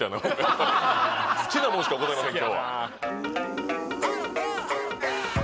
好きなもんしかございません